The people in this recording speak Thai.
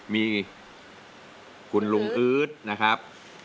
มีคุณลุงอืดนะครับ